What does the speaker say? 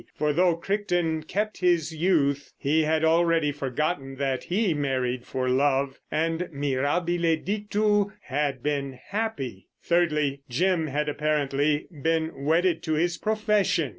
For though Crichton kept his youth, he had already forgotten that he married for love, and, mirabile dictu, had been happy. Thirdly, Jim had apparently been wedded to his profession.